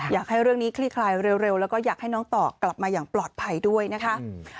อยากให้เรื่องนี้คลี่คลายเร็วแล้วก็อยากให้น้องต่อกลับมาอย่างปลอดภัยด้วยนะคะ